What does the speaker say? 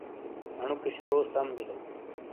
انوکے شارو سَم بِیلو۔